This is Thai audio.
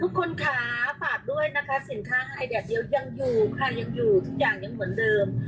ทุกคนค่ะฝากด้วยนะคะสินค้าไฮแดดเดียวยังอยู่ค่ะยังอยู่ทุกอย่างยังเหมือนเดิม